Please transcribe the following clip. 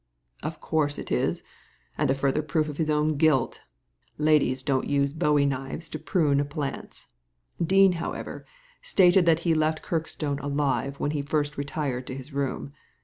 " Of course it is ; and a further proof of his own guilt Ladies don't use bowie knives to prune plants. Dean, however, stated that he left Kirkstone alive when he first retired to his room.